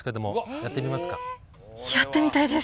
やってみたいです！